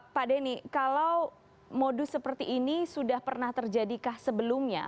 pak denny kalau modus seperti ini sudah pernah terjadikah sebelumnya